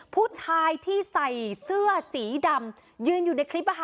ผู้ชายที่ใส่เสื้อสีดำยืนอยู่ในคลิป